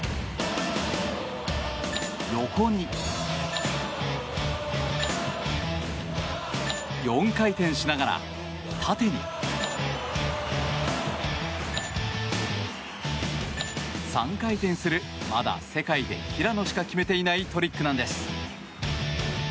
横に４回転しながら縦に３回転するまだ世界に平野しか決めていないトリックなんです。